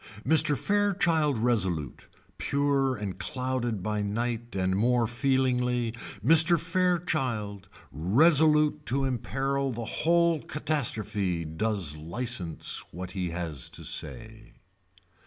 Mr. Fairchild Resolute pure and clouded by night and more feelingly, Mr. Fairchild resolute to emperil the whole catastrophe does licence what he has to say.